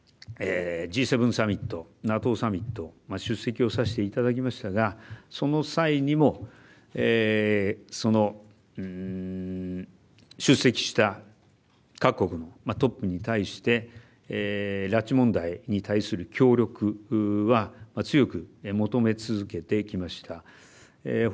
Ｇ７サミット、ＮＡＴＯサミット出席をさせていただきましたがその際にも出席した各国のトップに対して拉致問題に対する協力は強く求め続けてきました。